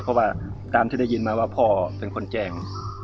เพราะว่าตามที่ได้ยินมาว่าพ่อเป็นคนแจ้ง